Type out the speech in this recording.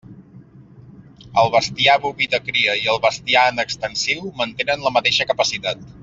El bestiar boví de cria i el bestiar en extensiu mantenen la mateixa capacitat.